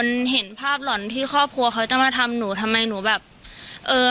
มันเห็นภาพหล่อนที่ครอบครัวเขาจะมาทำหนูทำไมหนูแบบเออ